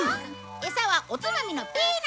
エサはおつまみのピーナッツ！